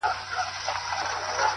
د انتظار خبري ډيري ښې دي.